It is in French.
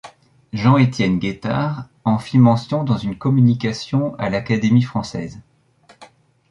Jean-Étienne Guettard en fit mention dans une communication à l'Académie française.